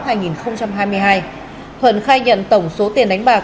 thuận khai nhận tổng số tiền đánh bạc